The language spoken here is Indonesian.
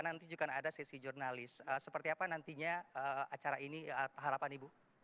nanti juga ada sesi jurnalis seperti apa nantinya acara ini harapan ibu